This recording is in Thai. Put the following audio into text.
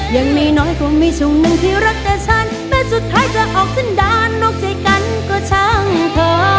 อย่างน้อยก็ไม่ช่วงนึงที่รักแต่ฉันแม้สุดท้ายจะออกทางด้านร่องใจกันก็ช่างเธอ